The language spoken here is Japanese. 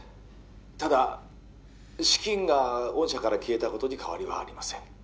ただ資金が御社から消えたことに変わりはありません